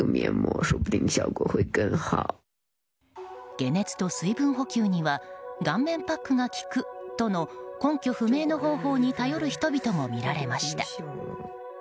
解熱と水分補給には顔面パックが効くとの根拠不明の方法に頼る人も見られました。